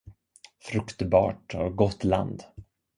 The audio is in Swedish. Fruktbart och gott land.